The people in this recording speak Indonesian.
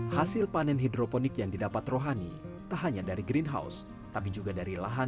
hasil panen hidroponik yang didapat rohani tak hanya dari greenhouse tapi juga dari lahan